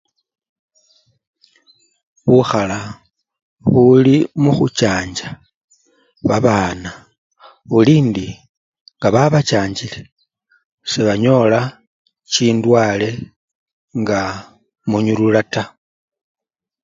Bukhala buli mukhu chanjja babana, buli ndi nga babachanjjile sebanyola chindwale nga munyulula taa.